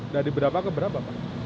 dari berapa ke berapa